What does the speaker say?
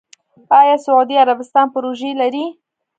آیا سعودي عربستان پروژې لري؟